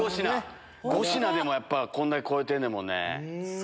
５品でもこんなに超えてんねんもんね。